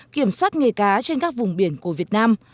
kiểm soát nghề cá trên các vùng biển của việt nam